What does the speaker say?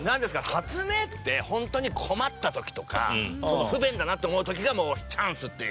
発明って本当に困った時とか不便だなって思う時がチャンスって聞くから。